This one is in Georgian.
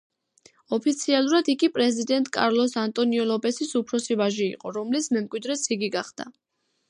ოფიციალურად იგი პრეზიდენტ კარლოს ანტონიო ლოპესის უფროსი ვაჟი იყო, რომლის მემკვიდრეც იგი გახდა.